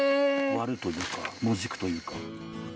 割るというかもじくというか。